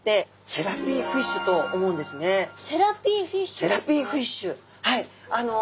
セラピーフィッシュはい。